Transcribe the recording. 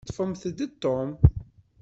Ṭṭfemt-d Tom.